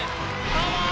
パワー